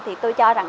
thì tôi cho rằng